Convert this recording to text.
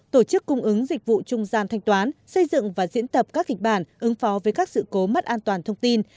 tổ chức cung ứng dịch vụ trung gian thanh toán xây dựng và diễn tập các kịch bản ứng phó với các sự cố mất an toàn thông tin